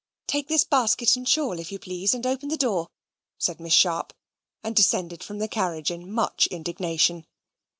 "Take this basket and shawl, if you please, and open the door," said Miss Sharp, and descended from the carriage in much indignation.